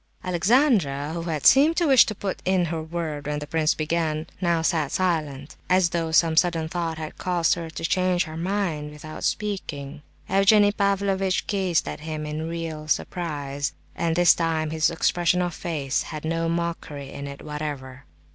Alexandra, who had seemed to wish to put in her word when the prince began, now sat silent, as though some sudden thought had caused her to change her mind about speaking. Evgenie Pavlovitch gazed at him in real surprise, and this time his expression of face had no mockery in it whatever.